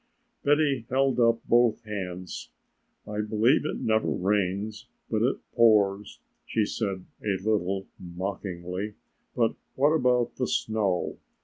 Betty held up both hands. "I believe it never rains but it pours," she said a little mockingly; "but what about the snow?